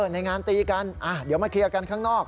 ในงานตีกันเดี๋ยวมาเคลียร์กันข้างนอก